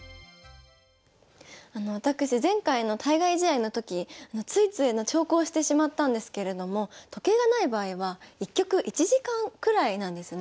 私前回の対外試合の時ついつい長考してしまったんですけれども時計が無い場合は１局１時間くらいなんですね。